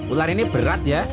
ular ini berat ya